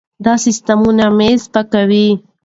دا سیستمونه مېز پاکوي.